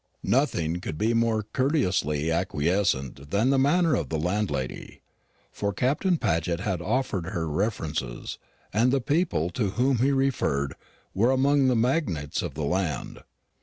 Nothing could be more courteously acquiescent than the manner of the landlady; for Captain Paget had offered her references, and the people to whom he referred were among the magnates of the land.